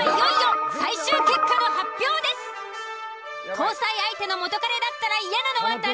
交際相手の元カレだったら嫌なのは誰？